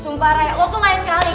sumpah rey lu tuh lain kali